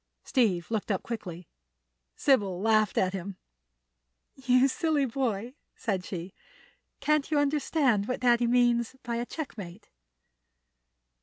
Steve looked up quickly. Sybil laughed at him. "You silly boy," said she. "Can't you understand what Daddy means by a checkmate?"